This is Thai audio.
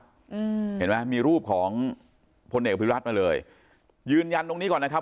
เห็นไหมมีรูปของพลเอกอภิรัตนมาเลยยืนยันตรงนี้ก่อนนะครับ